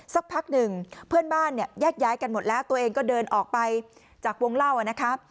สักพักหนึ่งเพื่อนบ้านเนี่ยแยกย้ายกันหมดแล้วตัวเองก็เดินออกไปจากวงเล่านะครับ